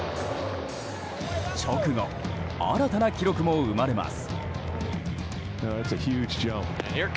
直後、新たな記録も生まれます。